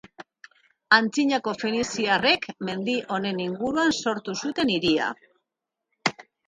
Antzinako feniziarrek mendi honen inguruan sortu zuten hiria.